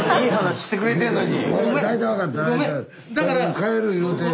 帰る言うてる。